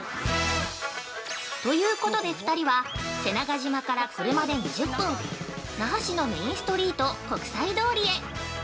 ◆ということで２人は瀬長島から車で２０分那覇市のメインストリート国際通りへ。